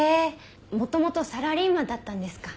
もともとサラリーマンだったんですか。